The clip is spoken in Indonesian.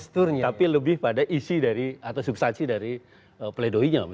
tapi lebih pada isi dari atau substansi dari pledoinya